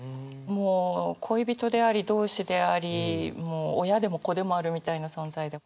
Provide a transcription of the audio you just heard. もう恋人であり同志でありもう親でも子でもあるみたいな存在で。